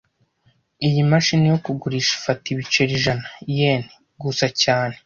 Iyi mashini yo kugurisha ifata ibiceri ijana-yen gusa cyane